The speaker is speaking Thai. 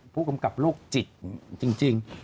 ผู้กำกับโรคจิตจริง